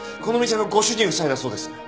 この店のご主人夫妻だそうです。